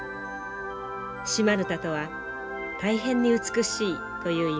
シ・マヌタとは「大変に美しい」という意味です。